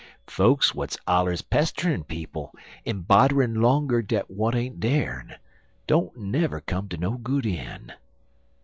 "Folks w'at's allers pesterin' people, en bodderin' 'longer dat w'at ain't der'n, don't never come ter no good een'.